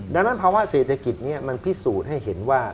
ดังนั้นภาวะเศรษฐกิจนี้มันพิสูจน์ให้เห็นว่า